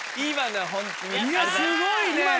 いやすごいね。